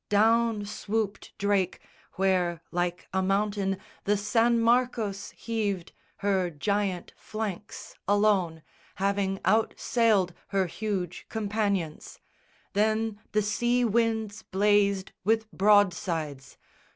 Down swooped Drake Where like a mountain the San Marcos heaved Her giant flanks alone, having out sailed Her huge companions. Then the sea winds blazed With broadsides.